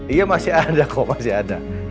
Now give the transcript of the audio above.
iya masih ada kok masih ada